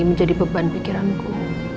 menjadi beban pikiranku